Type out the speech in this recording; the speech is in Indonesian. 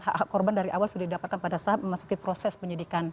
hak hak korban dari awal sudah didapatkan pada saat memasuki proses penyidikan